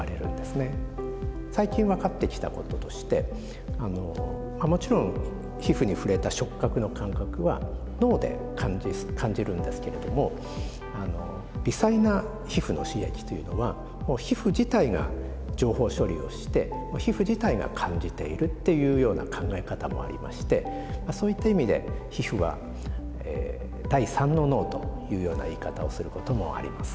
最近分かってきたこととしてもちろん皮膚に触れた触覚の感覚は脳で感じるんですけれども微細な皮膚の刺激というのは皮膚自体が情報処理をして皮膚自体が感じているっていうような考え方もありましてそういった意味で皮膚は第３の脳というような言い方をすることもあります。